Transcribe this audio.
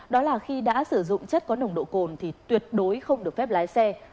đó là khi đã sử dụng chất có nồng độ cồn thì tuyệt đối không được phép lái xe